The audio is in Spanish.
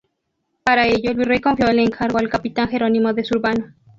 Para ello el virrey confió el encargo al capitán Jerónimo de Zurbano.